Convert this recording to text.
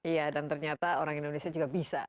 iya dan ternyata orang indonesia juga bisa